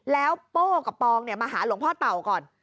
แล้วโป้กับปองมาหาหลวงพ่อเต่าก่อน